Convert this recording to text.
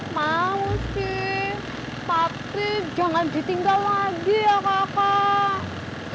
mau sih tapi jangan ditinggal lagi ya kakak